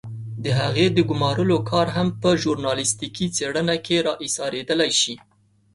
د هغې د ګمارلو کار هم په ژورنالستيکي څېړنه کې را اېسارېدلای شي.